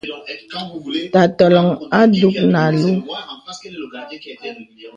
Tā tɔləŋ a dùk nə àlùù.